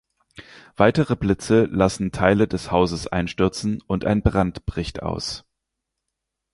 Weitere Blitze lassen Teile des Hauses einstürzen und ein Brand bricht aus.